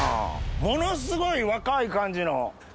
ものすごい若い感じの。